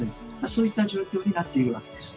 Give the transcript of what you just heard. そういった状況になっているわけです。